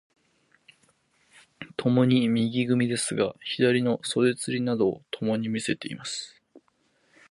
共に右組ですが、左の袖釣などをともに見せています。